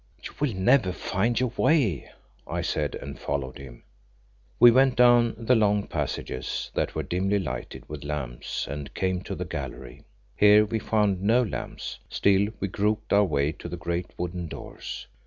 "You will never find your way," I said, and followed him. We went down the long passages that were dimly lighted with lamps and came to the gallery. Here we found no lamps; still we groped our way to the great wooden doors.